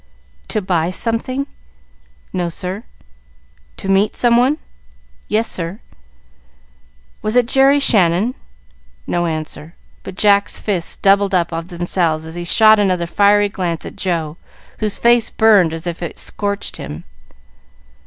"To buy something?" "No, sir." "To meet someone?" "Yes, sir." "Was it Jerry Shannon?" No answer, but Jack's fists doubled up of themselves as he shot another fiery glance at Joe, whose face burned as if it scorched him.